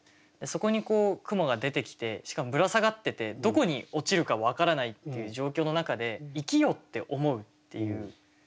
そこに蜘蛛が出てきてしかもぶら下がっててどこに落ちるか分からないっていう状況の中で「生きよ」って思うっていう。